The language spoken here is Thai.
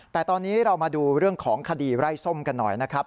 แต่ตอนนี้เรามาดูเรื่องของคดีไร่ส้มกันหน่อยนะครับ